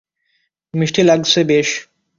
মিষ্টি লাগছে বেশ।